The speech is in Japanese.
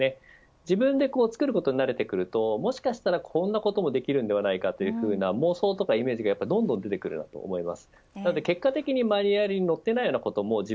自分で作ることに慣れてくるともしかしたらこんなこともできるのでは、というような妄想やイメージがどんどん出てくると思います。